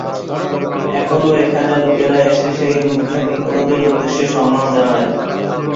এখনও এখানে লোকেরা এসে সেই যুদ্ধে নিহতদের উদ্দেশ্যে সম্মান জানায়।